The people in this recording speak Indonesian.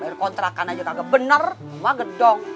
bayar kontrakan aja kagak bener rumah gedong